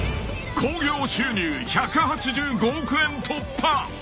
［興行収入１８５億円突破！］